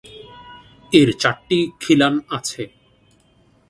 এর চারটি খিলান আছে।